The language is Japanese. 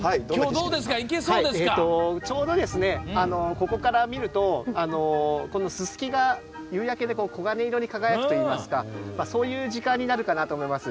ちょうど、ここから見るとこのススキが、夕焼けで黄金色に輝くといいますかそういう時間になるかなと思います。